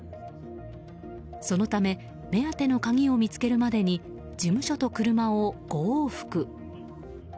そのため目当ての鍵を見つけるまでに事務所と車を５往復。